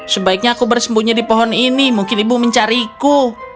sebaiknya aku bersembunyi di pohon ini mungkin ibu mencariku